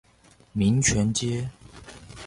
民權街